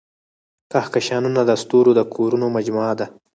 کهکشانونه د ستورو د کورونو مجموعه ده.